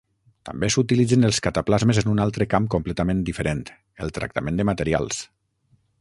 També s'utilitzen els cataplasmes en un altre camp completament diferent: el tractament de materials.